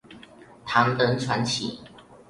唐人傳奇